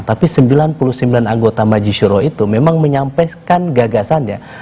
tapi sembilan puluh sembilan anggota majisyuroh itu memang menyampaikan gagasannya